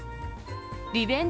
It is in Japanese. リベンジ